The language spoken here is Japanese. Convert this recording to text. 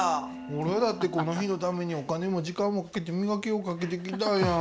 俺だってこの日のためにお金も時間もかけて磨きをかけてきたやん。